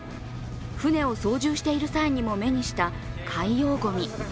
船を操縦している際にも目にした海洋ごみ。